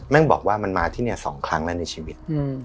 งบอกว่ามันมาที่นี่๒ครั้งแล้วในชีวิต